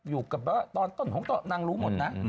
อยู่กับตอนต้นของนางรู้หมดนะ